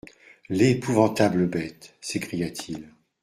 «L'épouvantable bête !» s'écria-t-il.